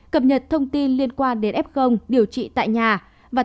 cập nhật thông tin liên quan đến f điều trị tại nhà và